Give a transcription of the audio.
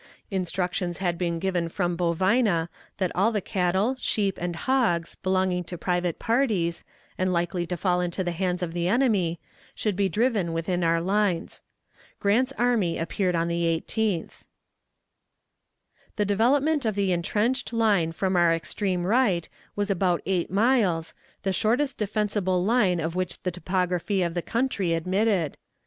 Instructions had been given from Bovina that all the cattle, sheep, and hogs, belonging to private parties, and likely to fall into the hands of the enemy, should be driven within our lines. Grant's army appeared on the 18th. The development of the intrenched line from our extreme right was about eight miles, the shortest defensible line of which the topography of the country admitted.